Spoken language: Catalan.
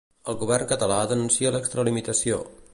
El govern català denuncia l'extralimitació.